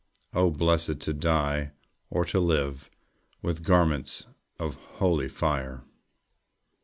Oh, blessed to die or to live, With garments of holy fire!